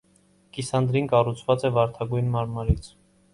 Կիսանդրին կառուցված է վարդագույն մարմարից։